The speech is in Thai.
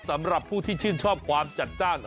สำหรับผู้ที่ชื่นชอบความจัดจ้าน